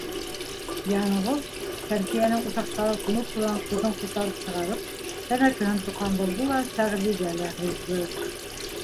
Янғол Шәмсиәнең усаҡтағы күмеп ҡуйған ҡуҙын ҡутарып сығарып, тәмәкеһен тоҡандырҙы ла Сәғдигә лә һуҙҙы.